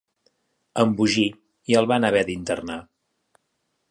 Embogí, i el van haver d'internar.